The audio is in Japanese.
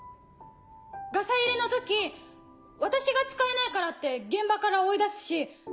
ガサ入れの時私が使えないからって現場から追い出すし。